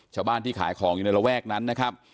ชาวบ้านที่ขายของอยู่ในระแวกนั้นนะครับ